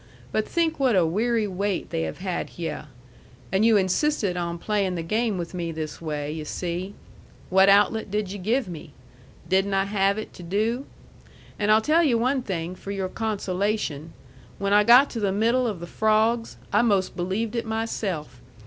But think what a weary wait they have had hyeh. And you insisted on playing the game with me this way, yu' see. What outlet did yu' give me? Didn't I have it to do? And I'll tell yu' one thing for your consolation: when I got to the middle of the frawgs I 'most believed it myself."